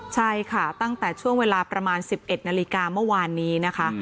ใช่ค่ะตั้งแต่ช่วงเวลาประมาณ๑๑นาฬิกาเมื่อวานนี้นะคะ